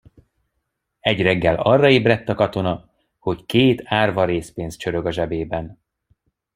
Egy reggel arra ébredt a katona, hogy két árva rézpénz csörög a zsebében.